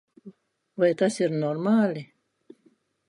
Vai tas ir normāli?